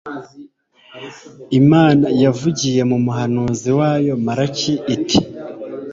imana yavugiye mu muhanuzi wayo malaki iti